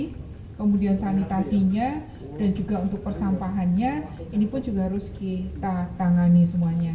air minum atau air bersih kemudian sanitasinya dan juga untuk persampahannya ini pun juga harus kita tangani semuanya